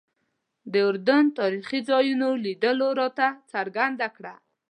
د اردن تاریخي ځایونو لیدلو راته څرګنده کړه.